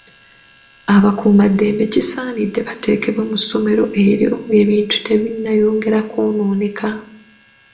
Abakuumaddembe kisaanidde bateekebwe mu ssomero eryo ng'ebintu tebinnayongera kw'onooneka.